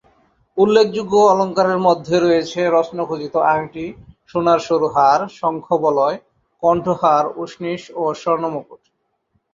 উল্লেখযোগ্য অলঙ্কারের মধ্যে রয়েছে রত্নখচিত আঙটি, সোনার সরু হার, শঙ্খবলয়, কণ্ঠহার, উষ্ণীষ ও স্বর্ণমুকুট।